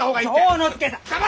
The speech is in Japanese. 丈之助さん！